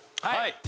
はい。